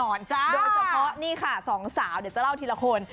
โดยเฉพาะนี่ค่ะสองสาวเดี๋ยวจะเล่าทีละคน